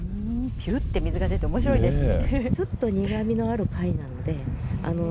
じゅーって水が出ておもしろいですね。